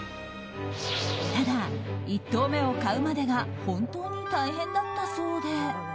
ただ、１棟目を買うまでが本当に大変だったそうで。